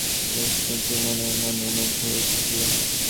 পুরবালা শৈলের তরুণ সুকুমার প্রিয়দর্শন পুরুষমূর্তিতে মনে মনে মুগ্ধ হইতেছিল।